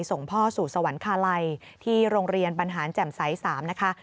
ส่งพ่อสู่สวรรคาลัยที่โรงเรียนบรรหารแจ่มใส๓นะคะ